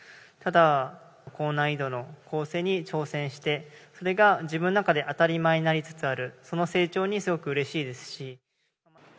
ただ、高難易度の構成に挑戦して、それが自分の中で当たり前になりつつある、その成長にすごくうれしいですし。